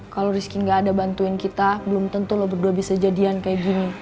kalau rizky gak ada bantuin kita belum tentu lo berdua bisa jadian kayak gini